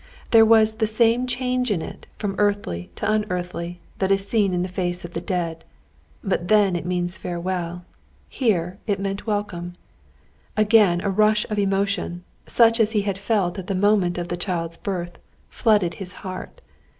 There was the same change in it from earthly to unearthly that is seen in the face of the dead. But then it means farewell, here it meant welcome. Again a rush of emotion, such as he had felt at the moment of the child's birth, flooded his heart.